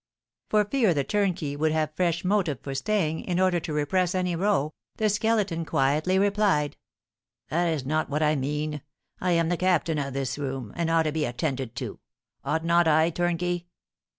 For fear the turnkey should have fresh motive for staying, in order to repress any row, the Skeleton quietly replied: "That is not what I mean; I am the captain of this room, and ought to be attended to, ought not I, turnkey?"